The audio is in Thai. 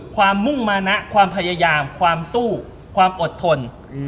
มุ่งมานะความพยายามความสู้ความอดทน